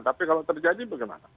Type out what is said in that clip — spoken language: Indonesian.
tapi kalau terjadi bagaimana